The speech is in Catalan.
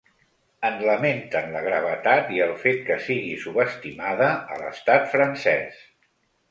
En lamenten la gravetat i el fet que sigui subestimada a l’estat francès.